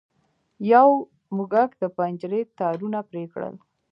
یو موږک د پنجرې تارونه پرې کړل.